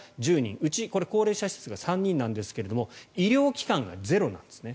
うち高齢者施設が３人なんですが医療機関がゼロなんですね。